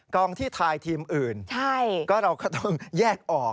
กองที่ทายทีมอื่นก็เราก็ต้องแยกออก